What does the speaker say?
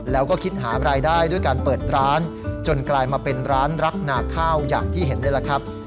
แล้วก็คิดหารายได้ด้วยการเปิดร้านจนกลายมาเป็นร้านรักนาข้าวอย่างที่เห็นนี่แหละครับ